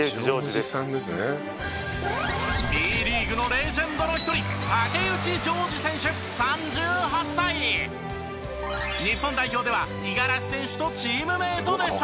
Ｂリーグのレジェンドの一人日本代表では五十嵐選手とチームメートでした。